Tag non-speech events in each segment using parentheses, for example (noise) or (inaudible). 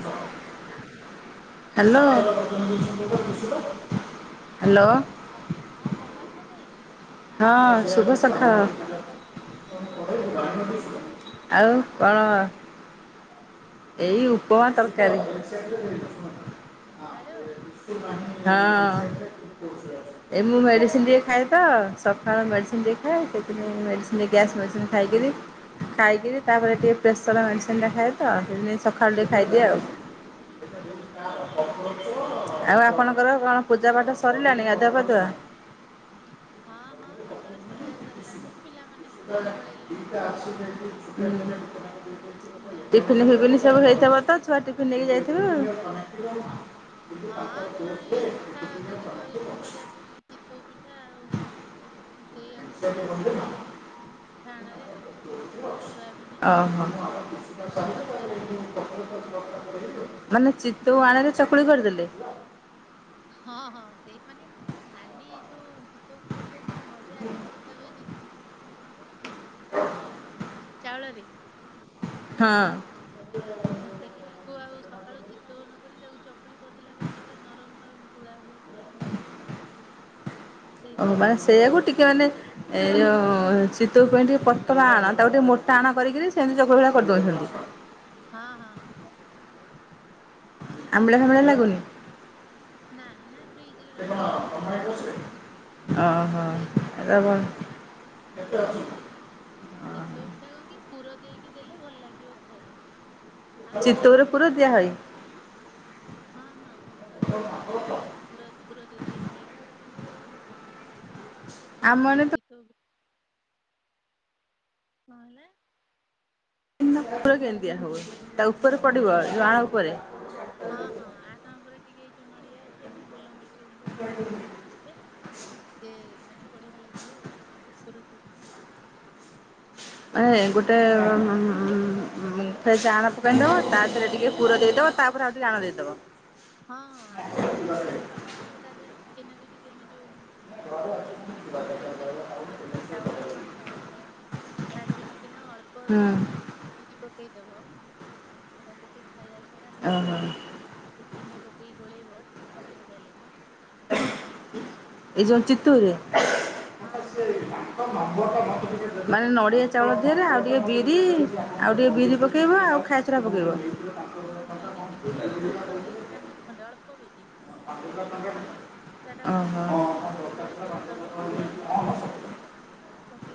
Hello. Hello. Hello. ହ ହଁ ଭଲ ଅଛନ୍ତି? ହଁ ଶୁଭ ଶଖାଳ। ଶୁଭ ସକାଳ ଆଉ କଣ? ଏଇ ଉ ଉପମା ତରକାରୀ। ସକାଳୁ ହଁ। ଏ ମୁଁ ଆଉ ମେଡିସିନ ଘରେ ଟିକିଏ ଖାଏ ତ। ସକାଳୁ ମେଡ଼ିସିନ୍ ଟିକିଏ ଖାଏ। ସେଥିପାଇଁ ମେଡ଼ିସିନ୍, ଗ୍ୟାସ୍ ମେଡ଼ିସିନ୍ ଖାଇକିରି। ଖାଇକିରି ତାପରେ ଟିକିଏ ପ୍ରେସର ମେଡ଼ିସିନ ଟା ଖାଏ ତ, ସେଥିପାଇଁ ସକାଳୁ ଟିକିଏ ଖାଇଦିଏ ଆଉ। କହିଲେ ଆପଣଙ୍କର ଏଇ ରକ୍ତଚାପ ଆଉ'ଆପଣଙ୍କର କଣ ଜନିତ ରୋଗ ପୂଜା ଅଛି? ପାଠ ସରିଲାଣି, ଗାଧୁଆ ପାାଧୁଆ? ହଁ, ହଁ ସକାଳୁ ପୂଜା ସରିଲାଣି। ପିଲାମାନେ ହୁଁ, ସ୍କୁଲ ପଳେଇଲେଣି। ହୁଁ। ଏଇନା ଟିଫିନ, ଫିଫିନି ସମସ୍ତଙ୍କୁ ସବୁ ହେଇ ଟିଫିନ ଥିବ। କତ, ଛୁଆ ଟିଫିିନ ନେଇକି ଯାଇଥିବେ। ହଁ, ଦି ଜଣ ଏଇ ପିଠା କାଲି କରିବା ପାଇଁ, ଚିତଉ ପିଠା ଆଉ। ସେଇଆକୁ ଚକୁଳି କରିଦେଲି। ଆଉ ଟିକ, ଆଣରେ ଆଉ। ଓ ସୋୟାବିନ ଆଳୁ ହୋ। ମାନେ ପୋଟଳ ତରକାରୀ ଆଉ ମାନେ ଚିତଉ ଭାତ ଆଣରେ ଚକୁଳି କରିଦେଲେ? ହଁ ହଁ। ସେଇ ମାନେ, ଖାଲି ଯୋଉ ଚିତଉ ପିଠା ରେ କଣ ନଡ଼ିଆ ଅଧିକ ପକା ହୁଏନି? ଚାଉଳରେ। ହଁ। ତ ସେଇଆକୁ ସ କାଳୁ ଚିତଉ ନକରି, ତାକୁ ଚକୁଳି କରିଦେଲେ, ତାକୁ ସେ ପୁରା ନରମ ନରମ ତୁଳା ଭାଲିଆ ଚକୁଳି ହେଇଯାଉଛି ଆଉ। ଓ ସେଇଥିରେ ମାନେ ଟିକେ ସେଇଆାକୁ, ତରକାରୀ କ ଟିକେ ମାନେ ଏ ଯୋଉ ଚିତଉ ପାଇଁ ଟିକେ ପତଳା ଆଣ, ତାକୁ ଟିକେ ମୋଟା ଆଣ କରିକି, ସେମିତି ଚକୁଳି ଭଳିଆ କରିଦଉଛନ୍ତି। ହାଁ ହାଁ। ଆମ୍ବଳା ଫାମ୍ବିଳା ଲାଗୁନି? ନା, ନା ଫ୍ରିଜ ରେ ରଖିଦେଇଥିଲି ନା। ଓ ସେଇ ହୋ। କଲା ଚିତଉ ପିଠା କଣ କିି, ପୁର ଦେଇକି ଦେଲେ, ଭଲ ଲାଗିବ ଖାଇବାକୁ। ଚିତଉରେ ପୁର ଦିଆହୁଏ। ହଁ ହଁ। ଉପରେ ଟିକେ ନଡିଆ ପୁର, ପୁର ଦେଇଦେଲେ ଭଲ ଲାଗେ। ଆମ ସେଇ ମାନେ ତ ଚିତଉ। କଣ ହେଲା? ଇନ ର କେମିତିଆ ହୁଏ। ତା ଉପରେ ପଡିବ ଏ ଯୋଉ ଆଣ ଉପରେ। ହଁ, ହଁ। ଆଣ ଉପରେ ଟିକେ ଏ ନଡିଆ, ଚିନି, ଗୋଲମରି ଚ, ଗୁଣ୍ଡ ଟିକେ ପକେଇେ ଦେଲେ, ସେ ମାନେ ବଢିଆ ଲାଗିବ ଆଉ। ଦେଇକି ଆଉ ଏ ଗୋଟେ ଫେ ସେ ଆଣ ପକାଇଦବ, ତା ଦେହରେ ଟିକେ ପୁର ଦେଇଦବ ତାପରେ, ଆଉ ଟିକେ ଆଣ ଦେଇଦବ। ହଁ ଆଉ ଚିତୋଉ ପିଠା ବି କରାହେଲେ ତା ଦେହରେ ଟିକେ ନାଗୁ ଯଦି ଆମର ଯୋଉ ହ ଗ୍ରାଇଣ୍ଡଡିଂ (inaudible) ଚାଉଳ ନଡିଆ ତା ଦେହରେ ଟିକେ ନାକୁ ଅଳ୍ପ ଦି ହୁଁ। ତିନି ବିରି ପକେଇ ଦବ ଆଉ ତା ଦେହରେ ଟିକେ ଖାଇବା ଶୋଡା ଲୁଣ ଓହୋ ପକେଇ ଚିନି ପକେଇ ଗୋଳେଇବ ସେ ପିଠାଟା ବଢିଆ ଲାଗେ। ଏଇ ଯୋଉ ଚିତୋଉରେ? ହଁ ହଁ ଚିତଉ ଚିତଉ ମାନେ ପିଠା ପ୍ରାୟ ନଡିଆ ଲୋକ ଚାଉଳ ଦେହରେ ଆଉ ଟିକେ ବିରି ଆଉ ଟିକେ ବିରି ପକେଇବ ଆଉ ଖାଇବା ଶୋଡା଼ ପକେଇବ? ହଁ ବିରି ଟିକେ ମାନେ ଅଳ୍ପ ଦି ଚାମଟ୍ ଖଣ୍ଡେ ଅଳ୍ପ ବିରି। ପାଖ ପିଠାଟା ଉଠିବନି ପୋଡିଯିବ ତଳୁ।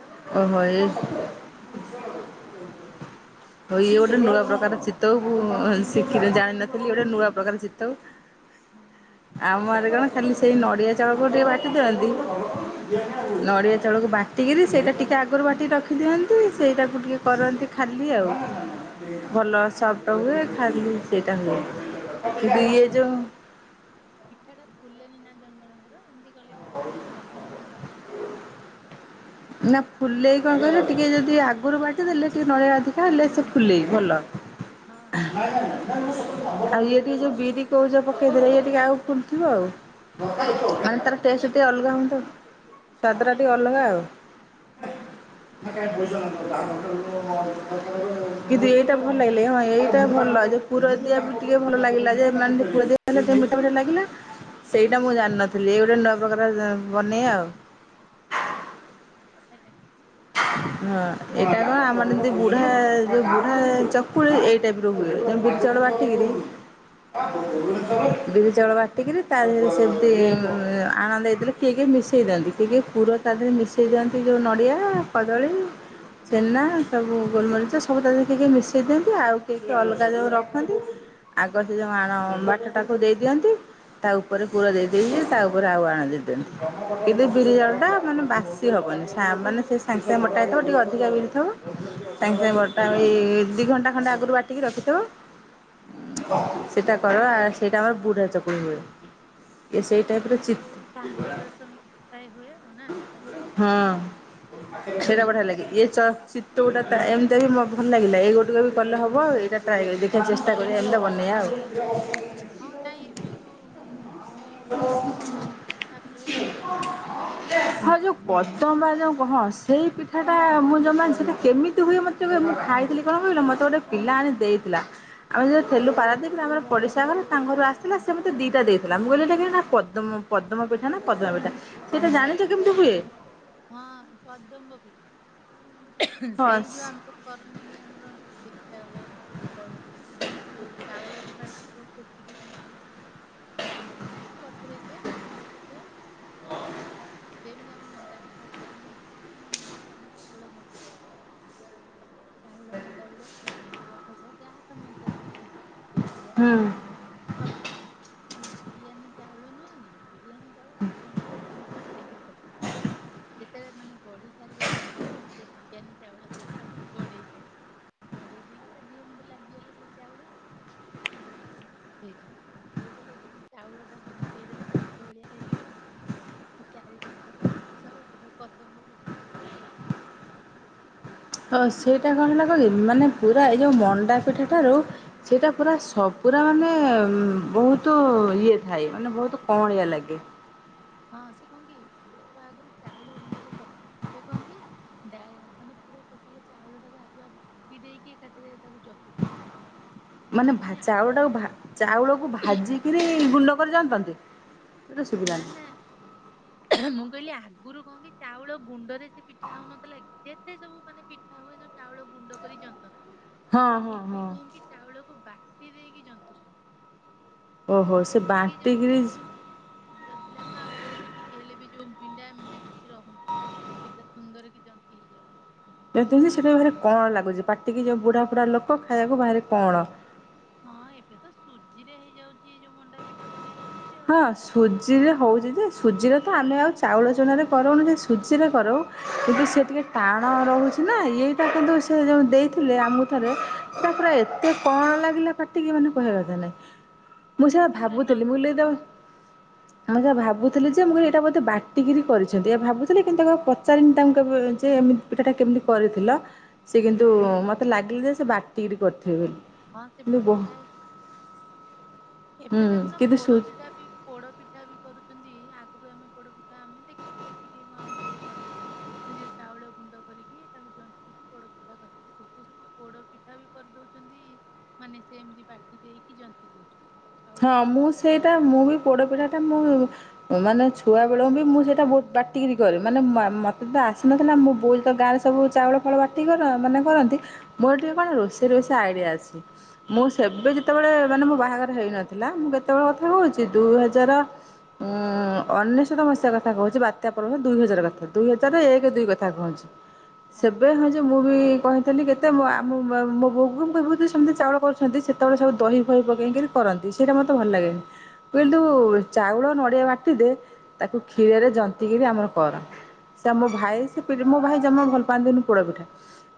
ଦବ ସେ ଚିନି ଖାଇବା ଶୋଢା ହୋଉ ଇଏ ଗୋଟେ ନୂଆ ପ୍ରକାର ଚିତୋଉ ଭୁ ଶିଖିଲି ଜାଣିନଥିଲି ଗୋଟେ ନୂଆ ପ୍ରକାର ଚିତୋଉ। ଆଉ ଆମର କଣ ପିଠାଟାକୁ ବି ଖାଲି ଯେ ସେଇ ନଡିଆ ଚାଉଳକୁ ଟିକେ ବା ଟି ଦିଅନ୍ତି, ନଡ଼ିଆ ଚାଉଳକୁ ବାଟିକିରି ସେଇଟା ଟିକେ ଆଗରୁ ବାଟିିକି ରଖିଦିଅନ୍ତି ସେଇଟାକୁ ଟିକେ କରନ୍ତି ଖାଲି ଆଉ। ହଁ ଭଲ ନାଇଁ ସପଟ ହୁଏ ଖାଲି ସେଇଟା ହୁଏ। ଜଣ କିନ୍ତୁ ଜଣଙ୍କ ଇଏ ଯୋଉ ଫୁଲେନ୍ ପିଠାଟା ଫୁଲେନି ନା ଜଣ ଜଣଙ୍କର ଏମତି କଲେଠୁ ଫୁଲେ। ନା ଫୁଲେଇ କଣ କହିଲେ ଟିକେ ଯଦି ଆଗରୁ ବାଟିଦେଲେ ଟିକେ ନଡିଆ ଅଧିକା ହେଲେ ସେ ଫୁଲେଇ ଭଲ। ଆଉ ହ ଆଉ ଇଏ ଟିକେ ଯୋଉ ବିରି କୋଉଚ ପକେଇଦଲେ ଇଏ ଟିକେ ଆଉ ଫୁଲଥିବ ଆଉ। ହଁ ହଁ ମାନେ ଅଳ୍ପ ତାର ଟେଷ୍ଟେ ଟିକେ ଅଲଗା ହୁଅନ୍ତା ସ୍ୱାଦଟା ଟିକେ ବେଶୀ ଅଲଗା ଆଉ। ହୁଁ ହୁଁ ହୁଁ। କିନ୍ତୁ ସେ ଏଇଟା ଯୋଉ ଭଲ ଲାଗିଲେ ହଁ ଏଇ ଟା ଭଲ ଯେ ପୁରଦିଆ ପୁ-ଟିକେ ଭଲ ଲାଗିଲା ଯେ ମାନେ ପୁର ଦିଆହେଲେ ସେ ମିଠା ମିଠା ଲାଗିଲା ସେଇଟା ମୁଁ ଜାଣିନଥିଲି ଏଇ ଗୋଟେ ନୂଆ ପ୍ରକାର ବନେଇ ଆଉ। ଗୋଟେ ଲେଖନା ହ ହଁ ଏଇଟା କଣ ଆମର ଯେମତି ବୁଢା ଯୋଉ ବୁଢା ଚକୁଳି ଏଇ ଟାଇପର ହୁଏ ଯେମ ବିରି ଚାଉଳ ବାଟିକିରି ହଁ ବିରି ଚାଉଳ ବାଟିକିରି ତା ଦେହରେ ସେମତି ଆଣ ଦେଇଦେଲେ କିଏ କିଏ ମିଶାଇ ଦିଅନ୍ତି କିଏ କିଏ ପୁର ତା ଦେହରେ ମିଶେଇ ଦିଅନ୍ତି ଯୋଉ ନଡ଼ିଆ, କଦଳୀ ଛେନା ସବୁ ଗୋଲମରିଚ ସବୁ ତା ଦେହରେ କିଏ କିଏ ମିଶେଇ ଦିଅନ୍ତି ଆଉ କିଏ କିଏ ଅଲଗା ଯୋଉ ରଖନ୍ତି। ଆଗ ସେ ଯୋଉ ମାଣ ବାଟଟାକୁ ଦେଇଦିଅନ୍ତି। ତା ଉପରେ ପୁର ଦେଇଦେଇକି ତା ଉପରେ ଆଉ ଆଣ ଦେଇଦିଅନ୍ତି କିନ୍ତୁ ବିରି ଚାଉଳଟା ହଁ ମାନେ ବାସି ହବନି ସା-ମାନେ ସେ ସାଙ୍ଗେ ସାଙ୍ଗେ ମୋଟା ହେଇଥିବ ଟିକେ ଅଧିକା ବିରିଥିବ ସାଙ୍ଗ୍ ସାଙ୍ଗ୍ ବଟା ହୋଇ ଦି ଘଣ୍ଟା ଖଣ୍ଡେ ଆଗରୁ ବାଟିକି ରଖିଥିବ। ଉଁ ସେଟା କର ଆ ସେଇଟା ଆମର ବୁଢା ଚକୁଳି ହୁଏ। ଇଏ ହଁ ସେଇ ସେଇଟା ଟାଇପର ବଢିଆ ଲାଗେ ଏଇ ଚିତ ସାମ୍ବର ଦଶମୀ ପାଇଁ ହୁଏ ଆଉ, ନା? ହଁ ସେଇଟା ବଢିଆ ଲାଗେ ଇଏ ଚ ଚିତୋଉ ଗୋଟା ତା-ଏମତିଆ ବି ମ-ଭଲ ଲାଗିଲା ଏଇ ଗୋଟିକ ବି କଲେ ହବ ଏଇଟା ଟ୍ରାଏକ-ଦେଖିଆ ଚେଷ୍ଟା କରିବା ଏମତିଆ ବନେ ଆ ଆଉ ହଁ କାଇଁ ଏବେ ଯୋଉ ଯୋଉ ଇଏ ପିଠା ଯୋଉ ଦପମ ପିଠା ହୋଉଚି ସିଏ ବି ପଚାରଲେ ହୁଁ ଏ ଯୋଉ ପଦମ୍ ହଁ ସେଇ ପିଠାଟା ମୁଁ ଜମା ସେଟା କେମିତି ହୁଏ ମତେ ବି ମୁଁ ଖାଇଥିଲି କଣ କହିଲ ମତେ ଗୋଟେ ପିଲା ଆଣି ଦେଇଥିଲା ଆମେ ଯଦି ଲୁ ପାରନ୍ତିନ୍ତ ଆମର ପଡ଼ିଶା ଘର ତାଙ୍କର ଆସିଥିଲା ସେୋତେ ଦିଟା ଦେଇଥିଲା ମୁଁ କହିଲିଟା ପଦ୍ମ ପଦ୍ମ ପୀଠା ନା ପଦ୍ମ ପୀଠା ସେଇଟା ଜାଣିଛ କେମିତି ହୁଏ? ହଁ କଦମ୍ବ ପିଠା। ହଁ ସେଇ ଯୋଉ ଆମର କରୁନ କି ଆମର ପି ଚାଉଳ ଅଛି ପିରି ଚାଉଳକୁ ଯୋଉ ଚାଉଳ ପ ଖାଇ ସେତିକିଣ୍ଡଣ୍ଡ କରତରେ ତାକୁ ଗୁଣ୍ଡ କରିଦୁଣ୍ଡିମିତି ଆମ ମ ା ପିଠା କର ନେଇ ମ ଯୁ ଆମ ଖବଳ ମନ ଚାଉଳ ମୁଣ୍ଡାାଉଳେରେ ପୁରବ ଯ ହ ମୁଇତ ବିଛି ଦପ ଯ ନଆ ହୁଁ। ବିରିୟାନୀ ଚାଉଳ ନୁହେଁ କି ବିରିାନୀ ଚାଉଳ ଅଧଘଣ୍ଟା ଭପରୁ ବତିବ କି ଯେତେବେଳେ ମାନେ ଗଢି ସାରିବ ପିଠା ସେ ବିରିୟାନି ଚାଉଳ ଦେଇ ତାକୁ ଗଢେଇ ବଢେଇ ଦେଇକି ତା ଦେିହ ମୁଣ୍ଡ ଲାଗିଗଲା ସେଇ ଚାି ବୁଡ ରାୋଡୁେଇବାେଇ ଦେଲେ ସେ ଚାଉଳ ଟା ବେଇ ଦେଲେ ଭାତ ଭଳିଆ ହେଇଯିବନି (unintelligible) ଚାରିପଟେ ସବ ଲାଗିଯିବ କଦମ୍ବ ମିଠା। ହଁ ସେଇଟା କଣ ହେଲା କ ମାନେ ପୁରା ଏଇ ଯେଉଁ ମଣ୍ଡା ପିଠା ଠାରୁ ସେଇଟା ପୁରା ସବ ପୁରା ମାନେ ବହୁତ ଇଏ ଥାଏ ପୁଳା ମାନେ ଭଳିଆ ବହୁତ ଲାଗେ। କଅଁଳିଆ ଲାଗେ। ହଁ ସେ କଣ କି ଲୋକ ଆଗରୁ ଚାଉଳ ଗୁଣ୍ଡରେ କହ କି ମାନେ ପୁରା ଟଟା ଚାଉଳ ଟା ତା ଆଗୁଆ ବାଟି ଦେଇକି ଏକାଥରେ ତାକୁ ଜନ୍ତ ମାନେ ଚାଉଳ ଟାକୁ ଚାଉଳକୁ ଭାଜିକରି ଗୁଣ୍ଡ କରି ଜାଣନ୍ତି? ନା ନା ମୁଁ କହିଲି ଆଗରୁ କଣ କି ଚାଉଳ ଗୁଣ୍ଡରେ କେତେ ପିଠା ହଉନଥିଲା ଯେତେ ସବୁ ମାନେ ପିଠା ହୁଏ ସ ଚାଉଳ ଗୁଣ୍ଡ କରି ଜନ୍ତ ହଁ ହଁ ଏବେ ହଁ କଣ କି ଚାଉଳକୁ ବାଟି ଦେଇକି ଜନ୍ତୁଛନ୍ତି। ଓହୋ ସେ ବାଟି କିରି ଯଦି ଲାଗୁଣ ଆଉ କୋଉଠି ଟିକେ ହେଲେ ବି ଯୋଉ ଭଣ୍ଡା ମଣ୍ଣ୍ଡା କିଛି ରହୁନି। କେତେ ସୁନ୍ଦର କି ଯ ଫିଲ୍ ଯାଉଛି। ଯେମିତିତି ସେଟା ବି ବାହାରେ କଣ ଲାଗୁଛି ପାଟିକି ଯୋଉ ବୁଢା ବୁଢା ଲୋକ ଖାଇବାକୁ ବାହାରେ କଣ। ହଁ ଏବେ ତ ସୁଜି ରେ ହେଇଯାଉଛି ଯୋଉ ମଣ୍ଡାପିଠା ବଢିଆ ଲାଗୁଛି। ଆଉ ହଁ ସୁଜି ସୁଜିରେ ହଉଛି ଯେ ସୁଜିରେ ତ ଆମେ ଆଉ ଚାଉଳ ଚଣରେ କରନୁ ସୁଜିରେ କର କିନ୍ତୁ ସି ଟିକେ ଟାଣ ରହୁଛି ଏଇଟା କିନ୍ତୁ ସେ ଯୋଉ ଦେଇଥିଲେ ଆମକୁ ଥରେ ତା ପୁରା ଏତେ କଣ ଲାଗିଲା କଟିକି ମାନେ କହିବା କଥା ନାଇଁ ମୁଁ ସେଟ ସେ ପୁରା ନନ ଭାବୁଥିଲି ମୁଁ ବୋଲି ତ (unintelligible) ଆଁ ଯାହା ଭାବୁଥିଲି ଯେ ମୁଁ କହିଲ ଏଇଟା ବୋଧେ ବାଟିକିରି କରିଛନ୍ତି ଏହା ଭାବୁଥିଲେ କିନ୍ତୁ ତାକୁଉ ପଚାରିନି ତାଙ୍କୁ କେବେ ଯେ ମତି ପିଠା ଟା କେମିତି କରିଥିଲ ସେ କିନ୍ତୁ ମତେ ଲାଗିଲା ଯେ ସେ ବାଟିକ କରିଥିବେ ବୋଲି। ହଁ ସେ କିନ୍ତୁ ବୋ ବଟା ହେଇ ହୁଁ ଏବେ ଦେଖୁନ କିନ୍ତୁ ପୋଡ ସୁ ପିଠା ବି ପୋଡ ପିଠା ବି କରୁଛନ୍ତି ଆଗରୁ ଆମେ ପୋଡ ପିଠା ଆମେ ଦେଖିଛୁ ଯେତିକି ମୁଁ ଆମ ବୋଉ କରେ ଯଉ ଚାଉଳ ଗୁଣ୍ଡ କରିକି ତାକୁ ଜନ୍ତିକି ପୋଡ ପିଠା କରିଦୁ ସେଠ ସବୁ ପୋଡ ପିଠା ବି କରିଦଉଛି। ମାନେ ସେ ଏମିତି ବାଟି ଦେଇକି ଜନ୍ତି ଦଉଛି ହଁ ମୁଁ ସେଇଟା ମୁଁ ବି ପୋଡ଼ପିଠା ଟା ମୁଁ ମାନେ ଛୁଆ ବେଳକୁ ବି ମୁଁ ସେଇଟା ବହୁତ ବାଟିକିରି କରେ ମାନେ ମତେ ତ ଆସିନଥିଲା ମୁଁ ବହୁତ ତ ଗାଁରେ ସବୁ ଚାଉଳ ଫଳ ବାଟି କର ମାନେ କରନ୍ତି ମୋର ଟିକେ କଣ ରୋଷେଇ ରୋଷେଇ ଆଇଡିଆ ଅଛି। ମୁଁ ହଁ ସେବେ ଯେତେବେଳେ ମାନେ ମୋ ବାହାଘର ହେଇନଥିଲା ମୁଁ କେତେବେଳେ କଥା କହୁଛି ଦୁଇ ହଜାର ଉଁ ଅନେଶ ମସି୍ୟା କଥା କହୁଛି ବାତ୍ୟା ପର୍ବ ଦୁଇ ହଜାର କଥା ଦୁଇ ହଜାର ଏକ ଦୁଇ କଥା କହୁଛି ସେବେ ହଁ ଯେ ମୁଁ ବି କହି ତଲେ କେତେ ଆମ ମୋ ବୋଗ କିବହୁତ ସମସ୍ତେ ଚାଉଳ କରୁଛନ୍ତି ସେତେବେଳେ ସବୁ ଦହି ଫହି ପକେଇକି କରନ୍ତି। ସେଇଟା ମତେ ଭଲ ଲାଗେନି କିନ୍ତୁ ଚାଉଳ ନଡ଼ିଆ ବାଟିଦେ ତାକୁ ହଁ କ୍ଷୀରରେ ଜନ୍ତିିକିରି ଆମର କର ସେ ଆମ ଭାଇ ସେ ମୋ ଭାଇ ଭଲ ପାଆନ୍ତିିନନି ପୋଡ ପିଠା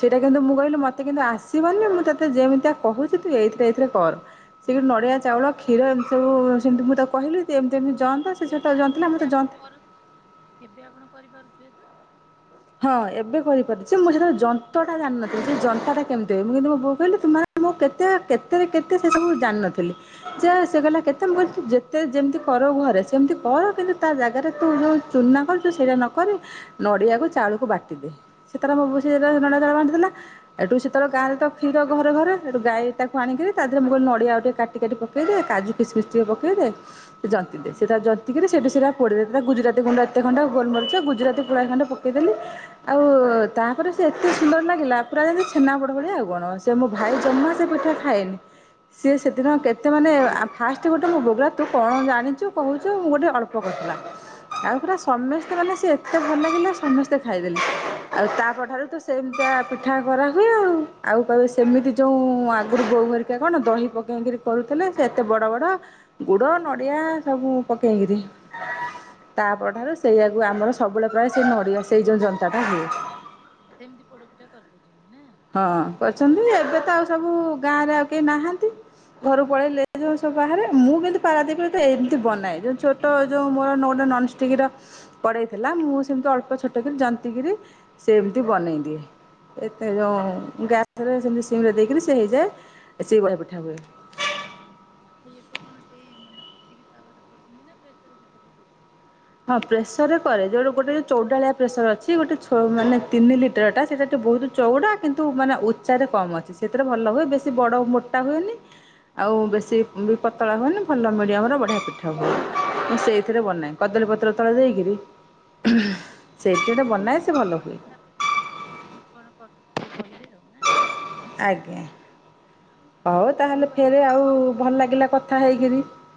ସେଇଟା କିନ୍ତୁ ହଁ। ମୁଁ କିଲି ମତେ କିନ୍ତୁ ଆ (unintelligible) ମୁଁ ତତେ ଯେମିତିଆ କୋହୁଚି ତୁ ଏଇଥିରେ ଏଇଥିରେ କର ସେ କିନ୍ତୁ ନଡିଆ ହଁ। ଖିର ଏମିତି ସବୁ ସେମିତି ମୁଁ ତାକୁ କହିଲି ତୁ ଏମତି ଏମିତି ଜନ୍ତା ସେ ଏବେ ସେଟା ଜନ୍ତିଲା ମୋତେ ଆପଣ ଜନ୍ତା କର ଏବେ ଆପଣ କରିପାରୁଥିବେ ତ? ହଁ ଏବେ କରିପାରୁଚି ମୁଁ ସେତଳେ ଯନ୍ତଟା ଜାଣିନଥିଲି ସେ ଯନ୍ତାଟା କେମିତି ମୁଁ କିନ୍ତୁ ମୋ ବୋଉ କହିଲି ତୁମ ମୁଁ କେତେ କେତେରେ କେତେ ସେଟା ମୁଁ ଜାଣିନଥିଲି ଯେ ସେ କହିଲା କେତେ ମୁଁ ଯେତେ ଯେମିତି କରୁ ଘରେ ସେମିତି କର କିନ୍ତୁ ତା ଜାଗାରେ ତୁ ଯୋଉ ଚୁନା କରିଚୁ ସେଇରା ନକରି ନଡ଼ିଆକୁ ଚାଉଳକୁ ବାଟିଦେ ସେ ତାର ହୋଉ ସେ ଯେତେବେଳେ ନଡ଼ିଆକୁ ତାର ବାଣ୍ଟି ଦେଲା ସେଠୁ ଗାଁରେ ତ କ୍ଷୀର ଘରେ ଘରେ ସେଟୁ ଗାଈ ତାକୁ ଆଣିକି ତା ଦେହରେ ମୁଁ କହିଲି ନଡିଆ ଗୋଟେ କାଟି କାଟି ପକେଇଦେ କାଜୁ କିସମିସ୍ ଟିକେ ପକେଇଦେ। ଜନ୍ତି ଦେ ସେଟା ଜନ୍ତିିକରି ସେଇଠି ସେଟା ପୋଡିଦେ ଗୁଜାରାତି ଗୁଣ୍ଡ ଏତେ କଣ୍ଡେ ଗୋଲମରିଚ ଗୁଜୁରାତି ପୁଳାଏ ଖଣ୍ଡେ ପକେଇ ଦେଲୁ ଆଉ ତାପରେ ସେ ଏତେ ସୁନ୍ଦର ନାଗିଲା ପୁରା ଯେମିତି ଛେନା ପୋଡ ଭଳିଆ ଆଉ କଣ ସେ ମୋ ଭା ଇ ଜମା ସେ ପିଠା ଖାଏନି ସିଏ ସେଦିନ ହଁ କେତେ ମାନେ ଫାଷ୍ଟ ଗୋଟେ ମୁଁ ବୋଉ କହିଲା ତୁ କଣ ଜାଣିଚୁ କୋହୁଚୁ ମୁଁ ଗୋଟେ ଅଳ୍ପ କରିଥିଲା ଆଉ ପୁରା ସମସ୍ତେ ମାନେ ସେ ଏତେ ହଁ ଭଲ ଲାଗିଲ। ସମସ୍ତେ ଖାଇଦେଲେ ଆଉ ତାପଠାରୁ ତ ସେମିତିଆ ପିଠା କରା ହୁଏ ଆଉ ଆଉ କହିବେ ସେମିତି ଯୋଉ ଆଗରୁ ବୋଉ ହେରିକା କଣ ଦହି ପକେଇକରି କରୁଥିଲେ ସେ ଏତେ ବଡ ବଡ ଗୁଡ ନଡିଆ ସବୁ ପକେଇକିରି। ତାପଠାରୁ ଏବେ ସେଇଆକୁ ଆମର ସବୁବେଳେ ପ୍ରାୟ ସେ ନଡ଼ିଆ ସେଇ ଯେଉଁ ଯନ୍ତାଟା ହୁଏ। ସେମିତି ପୋଡପିଠା କରିଦେ। ହଁ କରିଚନ୍ତି ଏବେ ତ ଆଉ ସବୁ ଗାଁ ରେ ଆଉ କେହି ନାହାନ୍ତି। ଘରୁ ପଳେଇଲେ ଯୋଉ ସବୁ ବାହାରେ ମୁଁ କିନ୍ତୁ ପାରାଦ୍ବୀପରେ ତ ଏମତି ବନାଏ ଯୋଉ ଛୋଟ ଯୋଉ ମୋର (unintelligible) ନନଷ୍ଟିକର କଡେଇଥିଲା ମୁଁ ସେମିତି ଅଳ୍ପ ଛୋଟକରି ଜନ୍ତିିକିରି ସେମିତି ବନେଇ ଦିଏ। ଏତେ ଯୋଉ ଗ୍ୟାସରେ ସେମିତି ସିମରେ ଦେଇକିରି ସେ ହେଇଯାଏ ସେ ବଢିଆ ପିଠା ହୁଏ। (unintelligible) ଏବେ କଣ ସେଇ ମାନେ ନନଷ୍ଟିକ ତାୱାରେ କରନ୍ତି ନା ପ୍ରେସର କୁକରରେ କରୁଚନ୍ତି। ହଁ ପ୍ରେସରରେ କରେ ଯୋଉଟା ଗୋଟେ ଚଉଡାଳିଆ ପ୍ରେସର ଅଛି ଗୋଟେ ଛୋଟ ମାନେ ତିନି ଲିଟରଟା ସେ ସେଟୁ ବୋହୁତ ଚଉଡା କିନ୍ତୁ ମାନେ ଉଚ୍ଚାରେ କମ ଅଛି। ସେଥିରେ ଭଲ ହୁଏ ବେଶୀ ବଡ ମୋଟା ହୁଏନି। ଆଉ ବେଶୀ ବି ପତଳା ହୁଏନି ଭଲ ମିଡିୟମର ବଢିଆ ପିଠା ହୁଏ ମୁଁ ସେଇଥିରେ ବନାଏ। କଦଳୀପତ୍ର ତଳେ ଦେଇକିରି ଉଁ ହୁଁ ହୁଁ ସେଇ ହୋଉ ମୁଁ ପଚା-ପଚାରିବି କେମତି କଣ କର ଆଜ୍ଞା। ହୋଉ ବୋଉ ତାହେଲେ ବା ଫେରେ ଆଉ ଭଲ ଲାଗିଲା କଥା ହେଇକିରି।